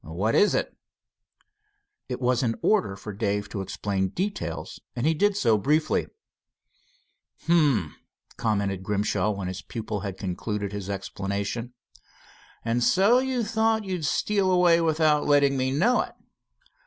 "What is it?" It was in order for Dave to explain details, and did so briefly. "H'm," commented Grimshaw, when his pupil concluded his explanation. "And so you thought you'd steal away without letting me know it?"